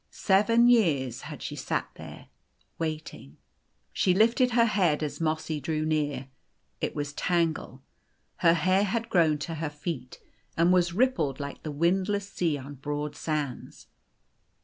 Seven years had she sat there waiting. She lifted her head as Mossy drew near. It was Tangle. Her hair had grown to her feet, and was rippled like the wind. 213 2 1 4 The Golden Key less sea oil broad sands.